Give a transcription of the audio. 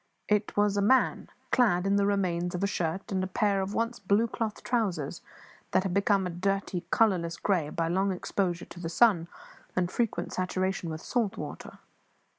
It was a man, clad in the remains of a shirt, and a pair of once blue cloth trousers that had become a dirty, colourless grey by long exposure to the sun and frequent saturation with salt water.